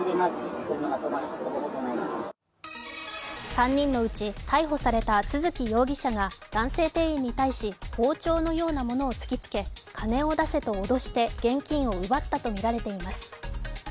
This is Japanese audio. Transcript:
３人のうち逮捕された都築容疑者が男性店員に対し包丁のようなものを突きつけ、金を出せと脅して現金を奪ったものとみられています。